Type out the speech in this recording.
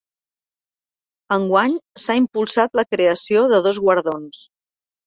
Enguany, s’ha impulsat la creació de dos guardons.